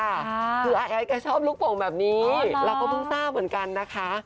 คืออาแอดแกชอบลูกโป่งแบบนี้เราก็เพิ่งทราบเหมือนกันนะคะ